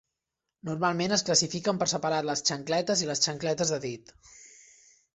Normalment, es classifiquen per separat les xancletes i les xancletes de dit.